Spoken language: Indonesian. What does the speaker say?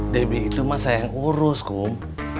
debbie itu mah saya yang urus kum